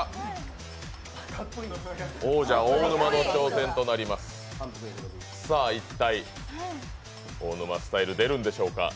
王者・大沼の挑戦となります一体、大沼スタイル出るんでしょうか。